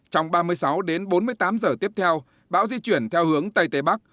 trong ba mươi sáu đến bốn mươi tám giờ tiếp theo bão di chuyển theo hướng tây tây bắc